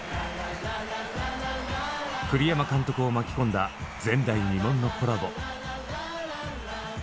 栗山監督を巻き込んだ前代未聞のコラボ！